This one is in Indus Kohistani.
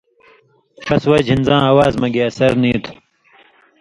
ݜس وجہۡ ہِن زاں اواز مہ گی اثر نی تُھو۔